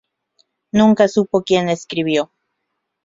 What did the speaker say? Nunca supo quien la escribió.